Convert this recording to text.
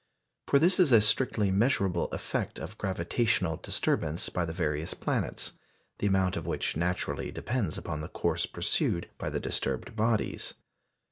For this is a strictly measurable effect of gravitational disturbance by the various planets, the amount of which naturally depends upon the course pursued by the disturbed bodies.